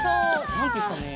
ジャンプしたね。